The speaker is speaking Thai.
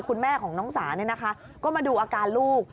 คุณแม่ของน้องสาเนี่ยนะคะก็มาดูอาการลูก